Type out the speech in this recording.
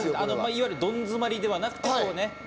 いわゆるどんづまりではなくてですね。